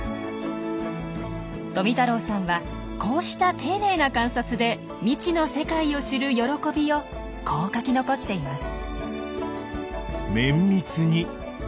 富太郎さんはこうした丁寧な観察で未知の世界を知る喜びをこう書き残しています。